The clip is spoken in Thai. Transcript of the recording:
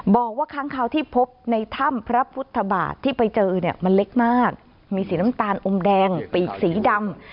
บอกว่าครั้งคราวที่พบในถ้ำพระพุทธบาทที่ไปเจอเนี่ยมันเล็กมากมีสีน้ำตาลอมแดงปีกสีดำ